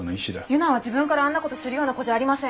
佑奈は自分からあんなことするような子じゃありません。